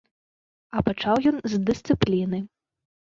А пачаў ён з дысцыпліны.